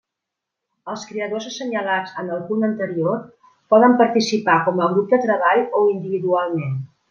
Els creadors assenyalats en el punt anterior poden participar com a grup de treball o individualment.